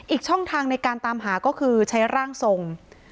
ช่องทางในการตามหาก็คือใช้ร่างทรง